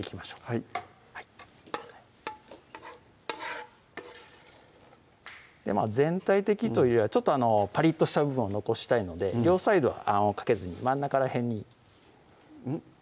はいはい全体的というよりはちょっとパリッとした部分を残したいので両サイドはあんをかけずに真ん中ら辺にうん？